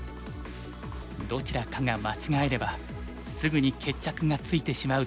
どちらかが間違えればすぐに決着がついてしまう展開に。